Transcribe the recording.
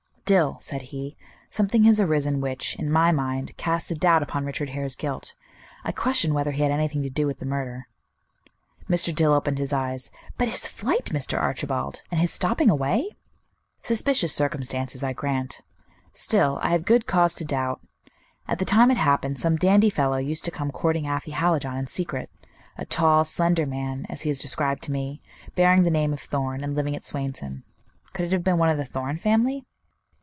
"Dill," said he, "something has arisen which, in my mind, casts a doubt upon Richard Hare's guilt. I question whether he had anything to do with the murder." Mr. Dill opened his eyes. "But his flight, Mr. Archibald, And his stopping away?" "Suspicious circumstances, I grant. Still, I have good cause to doubt. At the time it happened, some dandy fellow used to come courting Afy Hallijohn in secret; a tall, slender man, as he is described to me, bearing the name of Thorn, and living at Swainson. Could it have been one of the Thorn family?"